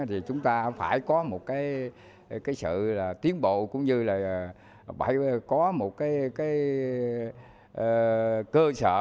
thì chúng ta phải có một cái sự tiến bộ cũng như là phải có một cơ sở